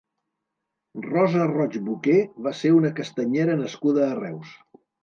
Rosa Roig Boqué va ser una castanyera nascuda a Reus.